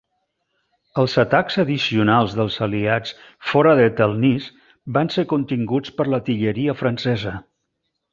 Els atacs addicionals dels Aliats fora de Telnice van ser continguts per l'artilleria francesa.